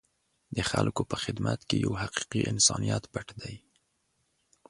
د خلکو په خدمت کې یو حقیقي انسانیت پټ دی.